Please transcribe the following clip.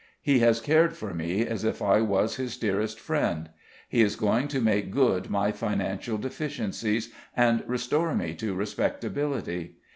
He has cared for me as if I was his dearest friend; he is going to make good my financial deficiencies, and restore me to respectability.